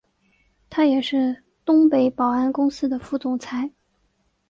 他也是东北保安公司的副总裁。